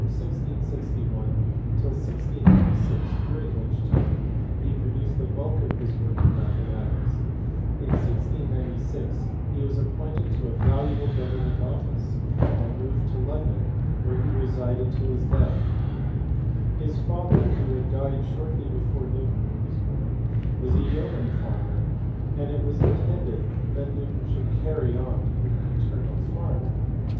1727. He was educated at Trinity College, Cambridge, and lived there from 1661 till 1696 during which time he produced the bulk of his work in mathematics ; in 1696 he was appointed to a valuable Government office, and moved to London where he resided till his death. His father, who had died shortly before Newton was born, was a yeoman farmer, and it was intended that Newton should carry on the paternal farm.